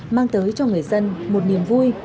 mang tới cho người dân một niềm vui